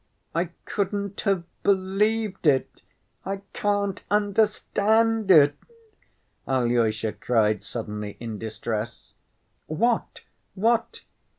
"I couldn't have believed it. I can't understand it!" Alyosha cried suddenly in distress. "What? What?"